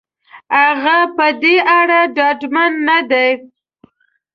هغه په دې اړه ډاډمن نه دی.